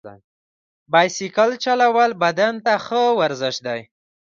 بایسکل چلول بدن ته ښه ورزش دی.